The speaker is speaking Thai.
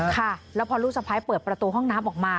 ค่ะแล้วพอลูกสะพ้ายเปิดประตูห้องน้ำออกมา